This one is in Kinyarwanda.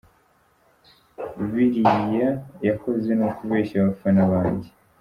Biriya yakoze ni ukubeshya abafana banjye.